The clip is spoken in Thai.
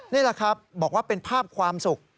นี่แหละครับบอกว่าเป็นภาพความสุข